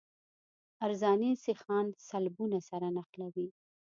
عرضاني سیخان سلبونه سره نښلوي